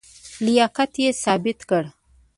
لیاقت یې ثابت کړ.